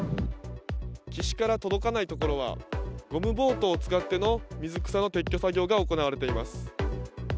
岸から届かない所は、ゴムボートを使っての水草の撤去作業が行われています。